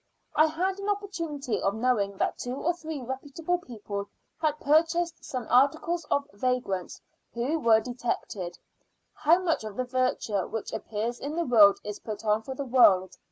I had an opportunity of knowing that two or three reputable people had purchased some articles of vagrants, who were detected. How much of the virtue which appears in the world is put on for the world?